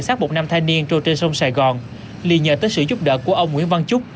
sát bột nam thai niên trôi trên sông sài gòn lì nhờ tới sự giúp đỡ của ông nguyễn văn trúc